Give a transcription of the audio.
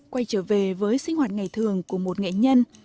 quay trở về với sinh hoạt ngày thường của một nghệ nhân